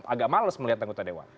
agak males melihat anggota dewan